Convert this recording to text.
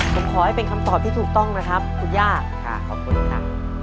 ผมขอให้เป็นคำตอบที่ถูกต้องนะครับคุณย่าขอบคุณครับ